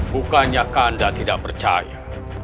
bukannya kanda tidak percaya